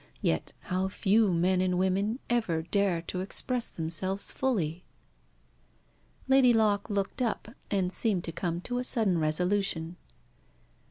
Yet how few men and women ever dare to express themselves fully?" Lady Locke looked up, and seemed to come to a sudden resolution.